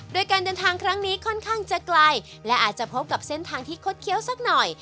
โดยการเดินทางครั้งนี้ค่อนข้างจะไกลและอาจจะพบกับเส้นทางที่คดเคี้ยวสักหน่อย